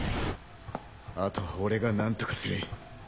あとは俺が何とかする。